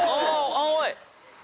青い。